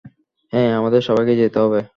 হ্যাঁ, আমাদের সবাইকে যেতে হবে।